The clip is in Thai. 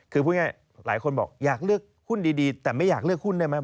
คือพูดง่ายหลายคนบอกอยากเลือกหุ้นดีแต่ไม่อยากเลือกหุ้นได้ไหม